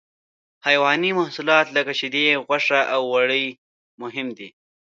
حیواني محصولات لکه شیدې، غوښه او وړۍ مهم دي.